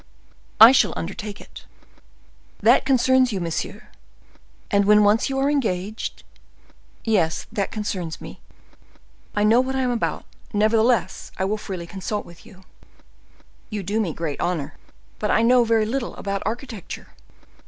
"I shall undertake it." "That concerns you, monsieur, and when once you are engaged—" "Yes, that concerns me. I know what I am about; nevertheless, I will freely consult with you." "You do me great honor; but I know very little about architecture."